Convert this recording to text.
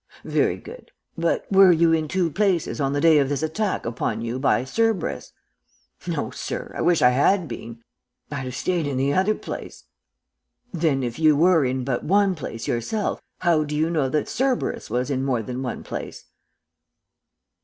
"'Very good; but were you in two places on the day of this attack upon you by Cerberus?' "'No, sir. I wish I had been. I'd have stayed in the other place.' "'Then if you were in but one place yourself, how do you know that Cerberus was in more than one place?'